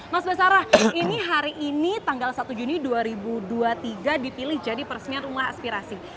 mas basarah ini hari ini tanggal satu juni dua ribu dua puluh tiga dipilih jadi peresmian rumah aspirasi